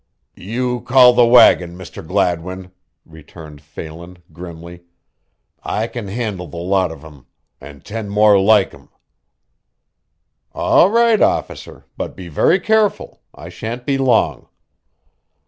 "You call the wagon, Mr. Gladwin," returned Phelan, grimly. "I kin handle the lot of o' them an' ten more like them." "All right, officer, but be very careful I shan't be long."